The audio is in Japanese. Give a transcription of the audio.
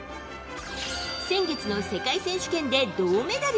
先月の世界選手権で銅メダル。